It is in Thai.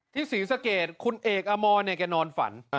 ศรีสะเกดคุณเอกอมรเนี่ยแกนอนฝัน